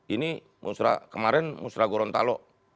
ini kemarin musrah gorontalo